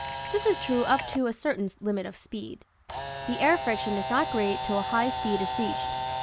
This is true up to a certain limit of speed. The air friction is not great till a high speed is reached.